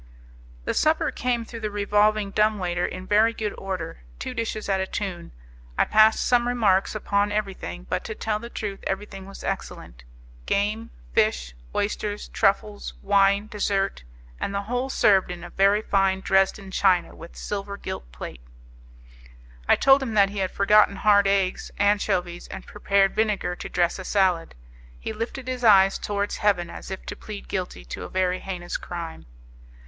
The supper came through the revolving dumb waiter in very good order, two dishes at a tune. I passed some remarks upon everything; but, to tell the truth, everything was excellent: game, fish, oysters, truffles, wine, dessert, and the whole served in very fine Dresden china and silver gilt plate. I told him that he had forgotten hard eggs, anchovies, and prepared vinegar to dress a salad. He lifted his eyes towards heaven, as if to plead guilty, to a very heinous crime.